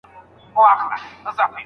رسول الله ورته وويل.